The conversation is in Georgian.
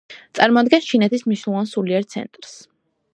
წარმოადგენს ჩინეთის მნიშვნელოვან სულიერ ცენტრს.